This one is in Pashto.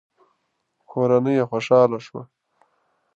کورنۍ يې خوشاله شوه.